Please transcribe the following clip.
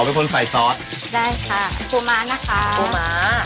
ขอเป็นคนไฟซอสได้ค่ะปูมะนะคะปูมะ